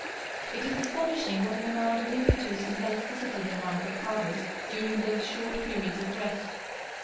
It is astonishing what an amount of impetus and elasticity the mind recovers during those short periods of rest.